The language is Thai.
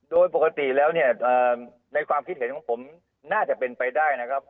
โดยปกติแล้วเนี่ยในความคิดเห็นของผมน่าจะเป็นไปได้นะครับ